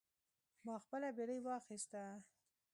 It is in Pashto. ما خپله بیړۍ واخیسته.